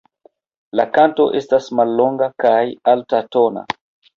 La kanto estas mallonga kaj altatona.